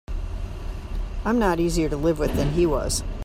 I'm not easier to live with than he was.